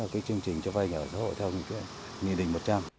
cho chương trình cho vay nhà ở xã hội theo nghị định một trăm linh